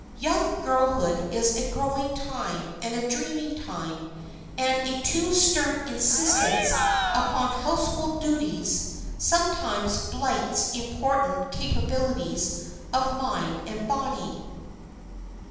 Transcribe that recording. Young girlhood is a growing time and a dreaming time; and a too stern insistence upon household duties sometimes blights important capabilities of mind and body.